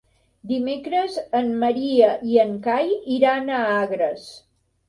Dimecres en Maria i en Cai iran a Agres.